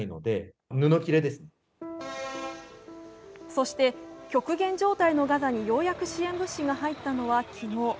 そして極限状態のガザにようやく支援物資が入ったのは昨日。